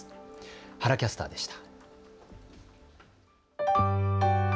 原キャスターでした。